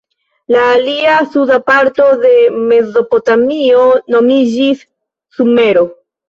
La alia, suda parto de Mezopotamio nomiĝis Sumero.